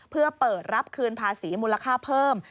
เพื่อเปิดรับคืนภาษีมูลค่าเพิ่ม